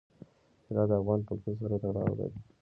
طلا د افغان کلتور سره تړاو لري.